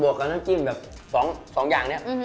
บวกกันหน้าจิ้มแบบ๒อย่างนี้